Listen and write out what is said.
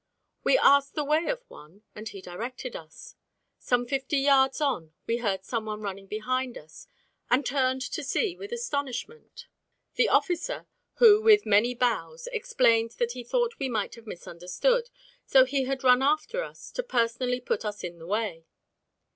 We asked the way of one, and he directed us. Some fifty yards on we heard some one running behind us, and turned to see, with astonishment, the officer, who with many bows explained that he thought we might have misunderstood, so he had run after us to personally put us in the way.